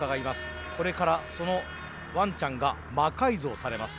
これからそのワンちゃんが魔改造されます。